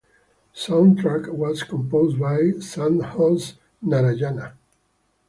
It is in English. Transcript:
Soundtrack was composed by Santhosh Narayanan.